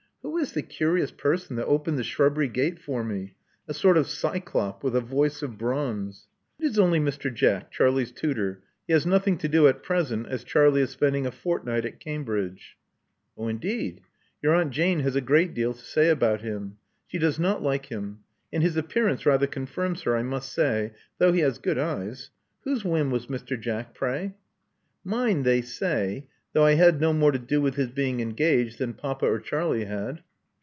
Who is the curious person that opened the shrubbery gate for me? — a sort of Cyclop with a voice of bronze." '*It is only Mr. Jack, Charlie's tutor. He has noth ing to do at present, as Charlie is spending a fortnight at Cambridge." Oh, indeed! Your Aunt Jane has a great deal to say about him. She does not like him; and his appearance rather confirms her, I must say, though he has good eyes. Whose whim was Mr. Jack, pray?" Mine, they say; though I had no more to do with his being engaged than papa or Charlie had."